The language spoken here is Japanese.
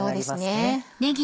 そうですね。